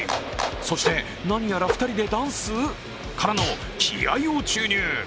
そして何やら２人でダンス？からの気合いを注入。